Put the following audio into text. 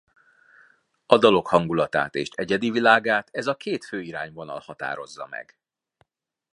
A dalok hangulatát és egyedi világát ez a két fő irányvonal határozza meg.